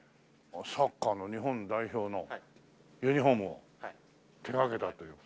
サッカーの日本代表のユニホームを手掛けたという。